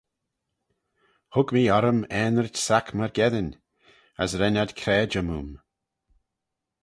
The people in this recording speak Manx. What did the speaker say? Hug mee orrym aanrit-sack myrgeddin: as ren ad craidey moo'm.